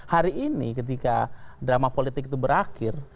hari ini ketika drama politik itu berakhir